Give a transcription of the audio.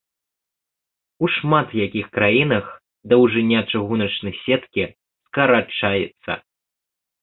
У шмат якіх краінах даўжыня чыгуначнай сеткі скарачаецца.